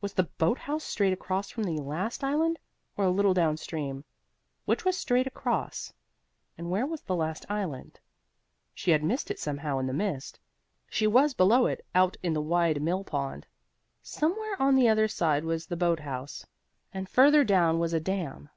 Was the boat house straight across from the last island, or a little down stream? Which was straight across? And where was the last island? She had missed it somehow in the mist. She was below it, out in the wide mill pond. Somewhere on the other side was the boat house, and further down was a dam.